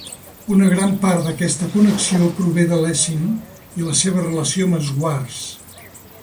Una gran part d'aquesta connexió prové de Lessig i la seva relació amb Swartz.